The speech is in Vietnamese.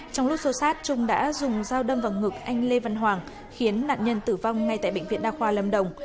trong lúc xô sát trung đã dùng dao đâm vào ngực anh lê văn hoàng khiến nạn nhân tử vong ngay tại bệnh viện đa khoa lâm đồng